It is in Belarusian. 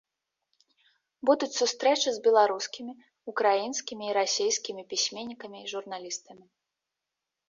Будуць сустрэчы з беларускімі, украінскімі і расейскімі пісьменнікамі і журналістамі.